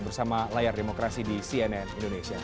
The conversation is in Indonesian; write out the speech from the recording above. bersama layar demokrasi di cnn indonesia